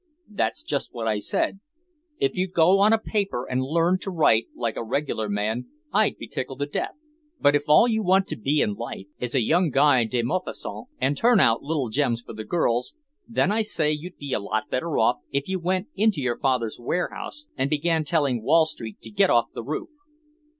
"That's just what I said. If you'd go on a paper and learn to write like a regular man I'd be tickled to death. But if all you want to be in life is a young Guy de Maupassant and turn out little gems for the girls, then I say you'd be a lot better off if you went into your father's warehouse and began telling Wall Street to get off the roof!"